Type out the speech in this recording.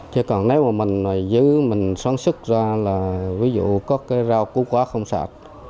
chứ còn nếu mà mình giữ mình sống sức ra là ví dụ có cái rau cú quả không sạch